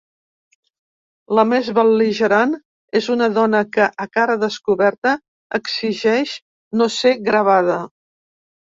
La més bel·ligerant és una dona que, a cara descoberta, exigeix no ser gravada.